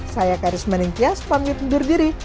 saya karisman inkias pamit undur diri